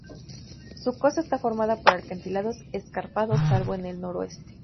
Su costa está formada por acantilados escarpados salvo en el noroeste.